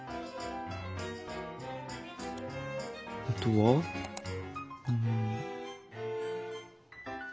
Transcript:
あとはん。